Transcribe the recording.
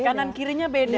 beda kanan kirinya beda